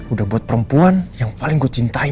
udah buat perempuan yang paling gue cintai